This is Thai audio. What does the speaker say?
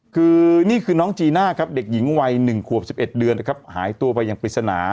คือนี่คือน้องจีน่าครับเด็กหญิงวัย๑ขวบ๑๑เดือนนะครับหายตัวไปอย่างปริศนา